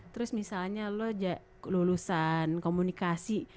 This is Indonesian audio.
terus misalnya lo lulusan komunikasi